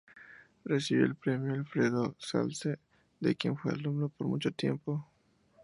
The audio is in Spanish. Recibió el premio Alfredo Zalce, de quien fue alumno por mucho tiempo.